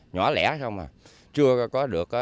nhỏ lẻ không à chưa có được